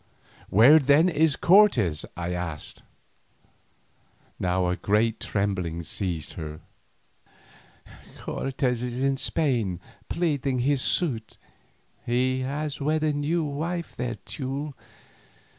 "Where then is Cortes?" I asked. Now a great trembling seized her. "Cortes is in Spain, pleading his suit. He has wed a new wife there, Teule.